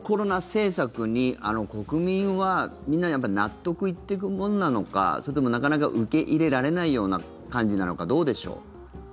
政策に国民はみんな納得いっていくものなのかそれとも、なかなか受け入れられないような感じかどうでしょう？